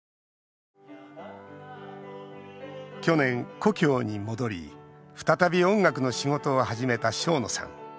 去年、故郷に戻り再び音楽の仕事を始めた生野さん。